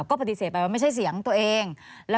ก็ปฏิเสธไปว่าไม่ใช่เสียงตัวเอง